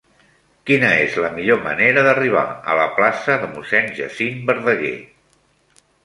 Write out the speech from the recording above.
Quina és la millor manera d'arribar a la plaça de Mossèn Jacint Verdaguer?